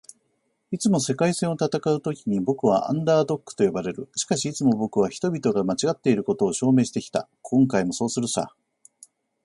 「いつも“世界戦”を戦うときに僕は『アンダードッグ』と呼ばれる。しかし、いつも僕は人々が間違っていることを証明してきた。今回もそうするさ」